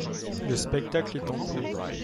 le spectacle est en cours